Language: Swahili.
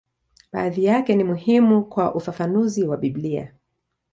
Baadhi yake ni muhimu kwa ufafanuzi wa Biblia.